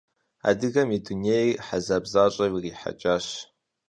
Адыгэм и дунейр хьэзаб защӀэу ирихьэкӀащ.